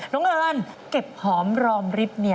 น้องเอิญเก็บหอมรอมริบ